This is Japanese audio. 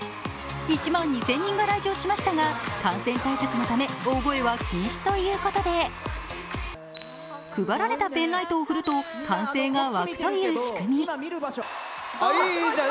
１万２０００人が来場しましたが、感染対策のため大声は禁止ということで、配られたペンライトを振ると歓声が沸くという仕組み。